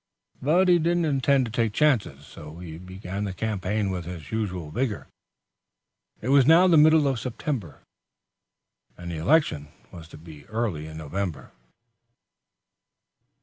But he didn't intend to take chances, so he began the campaign with his usual vigor. It was now the middle of September, and the election was to be early in November.